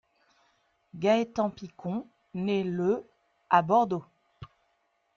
Gaëtan Picon naît le à Bordeaux.